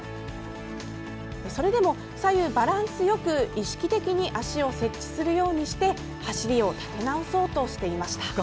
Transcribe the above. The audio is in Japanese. それでも、左右バランスよく意識的に足を接地するようにして走りを立て直そうとしていました。